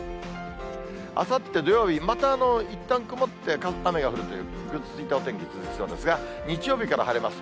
あさって土曜日、またいったん曇って、雨が降るという、ぐずついたお天気続きそうですが、日曜日から晴れます。